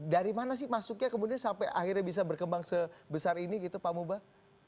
dari mana sih masuknya kemudian sampai akhirnya bisa berkembang sebesar ini gitu pak mubah